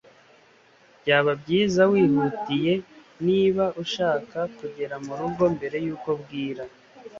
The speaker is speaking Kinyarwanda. Byaba byiza wihutiye niba ushaka kugera murugo mbere yuko bwira